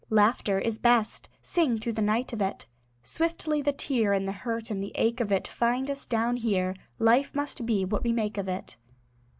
Laughter is best; Sing through the night of it. Swiftly the tear And the hurt and the ache of it Find us down here; Life must be what we make of it.